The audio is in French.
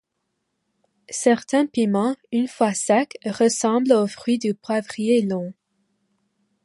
Certains piments, une fois secs, ressemblent au fruit du poivrier long.